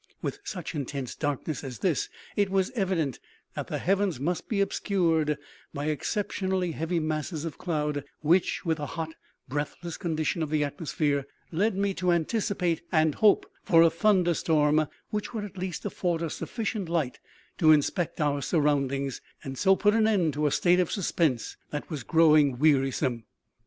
With such intense darkness as this it was evident that the heavens must be obscured by exceptionally heavy masses of cloud; which, with the hot, breathless condition of the atmosphere, led me to anticipate and hope for a thunderstorm, which would at least afford us sufficient light to inspect our surroundings, and so put an end to a state of suspense that was growing wearisome.